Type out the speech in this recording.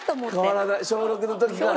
小６の時から？